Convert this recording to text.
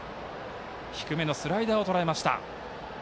低めのスライダーをとらえました。